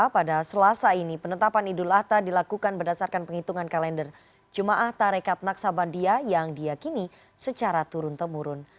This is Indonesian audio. pada selasa ini penetapan idul adha dilakukan berdasarkan penghitungan kalender jemaah tarekat naksabandia yang diakini secara turun temurun